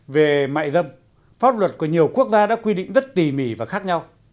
về mại dâm pháp luật của nhiều quốc gia đã quy định rất tỉ mỉ và khác nhau